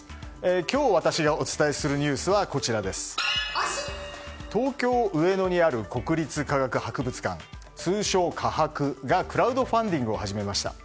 今日、私がお伝えするニュースは東京・上野にある国立科学博物館、通称カハクがクラウドファンディングを始めました。